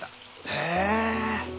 へえ！